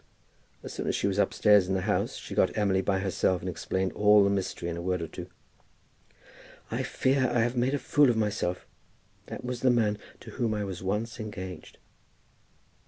As soon as she was upstairs in the house, she got Emily by herself, and explained all the mystery in a word or two. "I fear I have made a fool of myself. That was the man to whom I was once engaged."